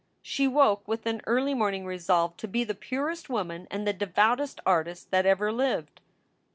She woke with an early morning resolve to be the purest woman and the devoutest artist that ever lived.